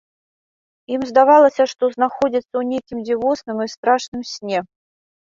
Ім здавалася, што знаходзяцца ў нейкім дзівосным і страшным сне.